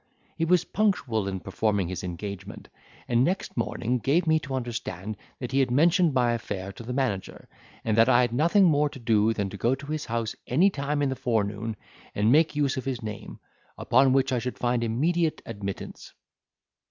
He was punctual in performing his engagement, and next morning gave me to understand that he had mentioned my affair to the manager, and that I had nothing more to do than to go to his house any time in the forenoon, and make use of his name, upon which I should find immediate admittance.